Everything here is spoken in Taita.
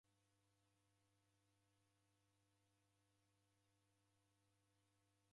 Ni saa ikumi na iwi ra luma lwa penyu.